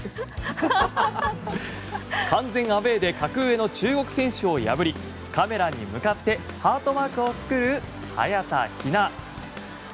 完全アウェーで格上の中国選手を破りカメラに向かってハートマークを作る早田ひな。